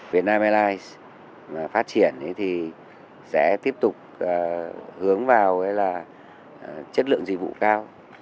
vietnam airlines mà phát triển thì sẽ tiếp tục hướng vào chất lượng dịch vụ cao